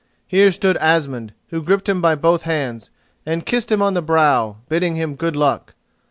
Here stood Asmund, who gripped him by both hands, and kissed him on the brow, bidding him good luck.